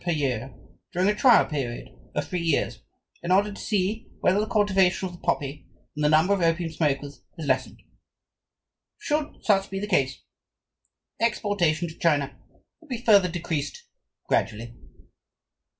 per year during a trial period of three years, in order to see whether the cultivation of the poppy and the number of opium smokers is lessened. Should such be the case, exportation to China will be further decreased gradually.